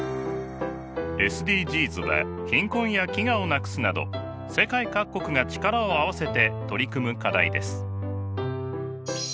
ＳＤＧｓは貧困や飢餓をなくすなど世界各国が力を合わせて取り組む課題です。